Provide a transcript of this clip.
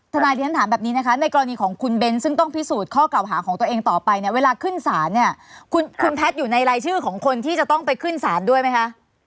ที่ฉันถามแบบนี้นะคะในกรณีของคุณเบ้นซึ่งต้องพิสูจน์ข้อเก่าหาของตัวเองต่อไปเนี่ยเวลาขึ้นศาลเนี่ยคุณแพทย์อยู่ในรายชื่อของคนที่จะต้องไปขึ้นศาลด้วยไหมคะ